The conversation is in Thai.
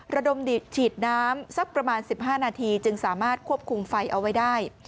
ระดมฉีดน้ำสักประมาณ๑๕นาทีจึงสามารถควบคุมไฟเอาไว้ได้